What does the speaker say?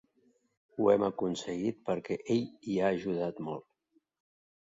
Ho hem aconseguit perquè ell hi ha ajudat molt.